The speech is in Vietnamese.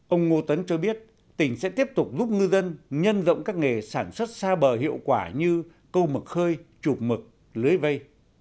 ông ngô tấn cho biết tỉnh sẽ tiếp tục giúp ngư dân nhân rộng các nghề sản xuất xa bờ hiệu quả như câu mực khơi chụp mực lưới vây